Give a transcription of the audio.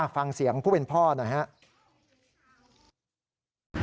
ฟังเสียงผู้เป็นพ่อหน่อยครับ